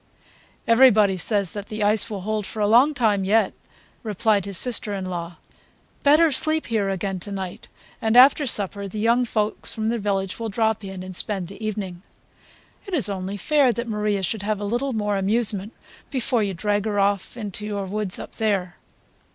'" "Everybody says that the ice will hold for a long time yet," replied his sister in law. "Better sleep here again to night, and after supper the young folks from the village will drop in and spend the evening. It is only fair that Maria should have a little more amusement before you drag her off into your woods up there."